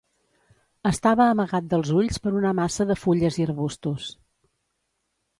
Estava amagat dels ulls per una massa de fulles i arbustos.